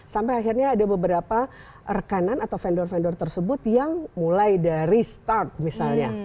sampai akhirnya ada beberapa rekanan atau vendor vendor tersebut yang mulai dari start misalnya